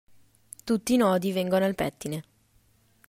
Tutti i nodi vengono al pettine.